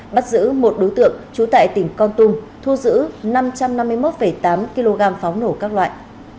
bắt giữ một đối tượng trú tại tỉnh con tum thu giữ năm trăm năm mươi một tám kg pháo nổ các loại